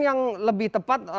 yang lebih tepat